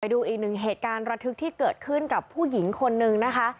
ดูอีกหนึ่งเหตุการณ์ระทึกที่เกิดขึ้นกับผู้หญิงคนนึงนะคะ